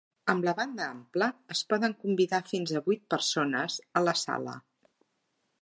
Amb la banda ampla, es poden convidar fins a vuit persones a la sala.